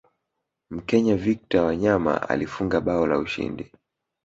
mkenya victor wanyama alifunga bao la ushindi